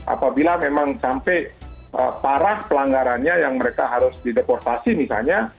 apabila memang sampai parah pelanggarannya yang mereka harus dideportasi misalnya